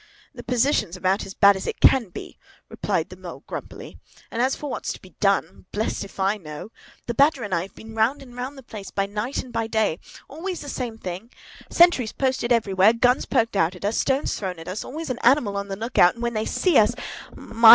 "The position's about as bad as it can be," replied the Mole grumpily; "and as for what's to be done, why, blest if I know! The Badger and I have been round and round the place, by night and by day; always the same thing. Sentries posted everywhere, guns poked out at us, stones thrown at us; always an animal on the look out, and when they see us, my!